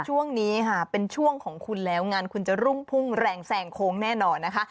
ช่วงนี้ค่ะเป็นช่วงของคุณแล้วงานคุณจะรุ่งพุ่งแรงแซงโค้งแน่นอนนะคะ